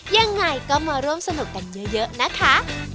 ยังไงก็มาร่วมสนุกกันเยอะนะคะ